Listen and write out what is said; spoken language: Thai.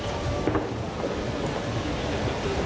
ถือว่าชีวิตที่ผ่านมายังมีความเสียหายแก่ตนและผู้อื่น